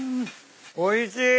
おいしい！